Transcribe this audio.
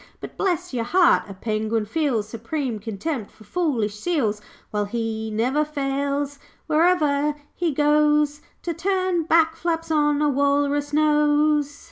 But bless your heart, a penguin feels Supreme contempt for foolish seals, While he never fails, where'er he goes, To turn back flaps on a walrus nose.'